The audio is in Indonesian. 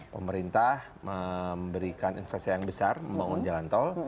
pemerintah memberikan investasi yang besar membangun jalan tol